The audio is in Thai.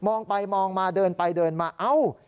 องไปมองมาเดินไปเดินมาเอ้า